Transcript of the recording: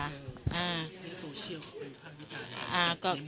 ในสวัสดีโซเชียลพอมีความวิจารณ์